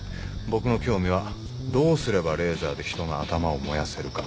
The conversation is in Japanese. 僕の興味はどうすればレーザーで人の頭を燃やせるか。